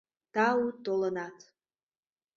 Тау толынат!